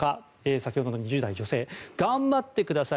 先ほどの２０代女性頑張ってください